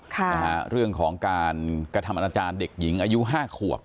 ค่ะนะฮะเรื่องของการกระทำอนาจารย์เด็กหญิงอายุห้าขวบ